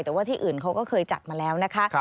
แต่ว่าที่อื่นเขาก็เคยจัดมาแล้วนะคะ